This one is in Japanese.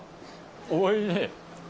おいしい。